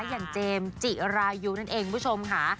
อย่างเจมส์จิรายุนั่นเองคุณผู้ชมค่ะ